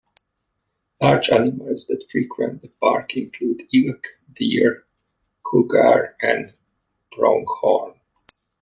Large animals that frequent the park include elk, deer, cougar, and pronghorn.